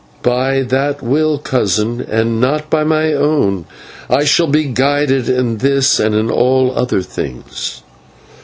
By that will, cousin, and not by my own, I shall be guided in this and in all other things."